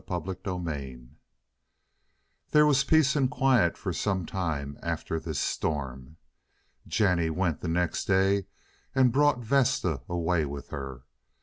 CHAPTER XXXI There was peace and quiet for some time after this storm. Jennie went the next day and brought Vesta away with her.